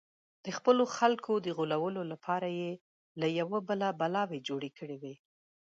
د خپلو خلکو د غولولو لپاره یې له یوه بله بلاوې جوړې کړې وې.